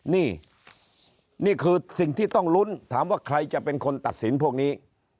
นี่นี่คือสิ่งที่ต้องลุ้นถามว่าใครจะเป็นคนตัดสินพวกนี้